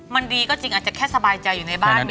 มันดีก็จริงอาจจะแค่สบายใจอยู่ในบ้าน